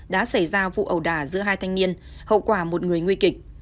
đã xảy ra vụ ẩu đả giữa hai thanh niên hậu quả một người nguy kịch